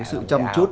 sự chăm chút